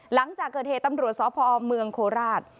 หลังจากเกิดเหตุตำรวจสพเมืองโคราช